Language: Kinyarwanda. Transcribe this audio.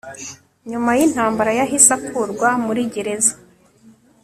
nyuma y'intambara yahise akurwa muri gereza